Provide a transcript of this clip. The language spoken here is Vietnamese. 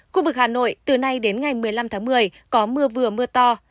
khu vực hà nội từ nay đến ngày một mươi năm tháng một mươi có mưa vừa mưa to